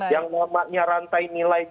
yang namanya rantai nilai